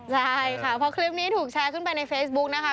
ใช่ค่ะเพราะคลิปนี้ถูกแชร์ขึ้นไปในเฟซบุ๊กนะคะ